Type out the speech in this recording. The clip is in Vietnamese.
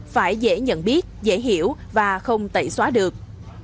phải dễ nhận biết dễ hiểu và không tẩy xóa được